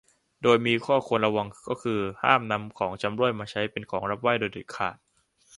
โดยมีข้อควรระวังก็คือห้ามนำของชำร่วยมาใช้เป็นของรับไหว้โดยเด็ดขาด